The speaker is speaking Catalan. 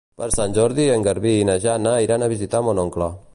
Per Sant Jordi en Garbí i na Jana iran a visitar mon oncle.